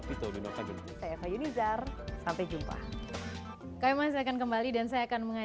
itu pula yang membuat kombes awi